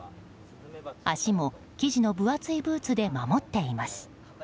足も、生地の分厚いブーツで守っています。